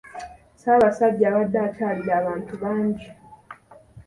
Ssaabasajja abadde akyalira bantu bangi.